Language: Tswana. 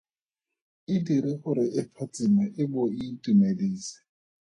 E dire gore e phatsime e bo e itumedise.